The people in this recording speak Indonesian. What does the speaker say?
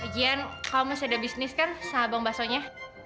jian kamu masih ada bisnis kan sama bang basonya